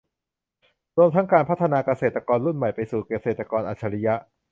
รวมทั้งการพัฒนาเกษตรกรรุ่นใหม่ไปสู่เกษตรกรอัจฉริยะ